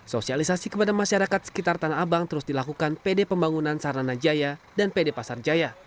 sosialisasi kepada masyarakat sekitar tanah abang terus dilakukan pd pembangunan sarana jaya dan pd pasar jaya